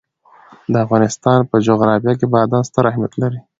د افغانستان په جغرافیه کې بادام ستر اهمیت لري.